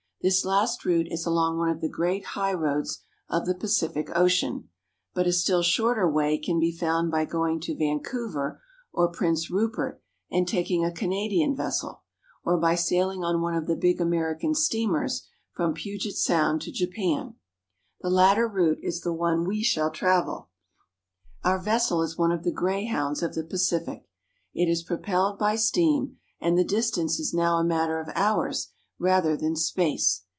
This last route is along one of the great highroads of the Pacific Ocean, but a still shorter way can be found by going to Vancouver or ON A BIG OCEAN STEAMER 1 9 Prince Rupert and taking a Canadian vessel, or by sailing on one of the big American steamers from Puget Sound to Japan. The latter route is the one we shall travel. Our vessel is one of the greyhounds of the Pacific. It is propelled by steam, and the distance is now a matter of hours rather than space.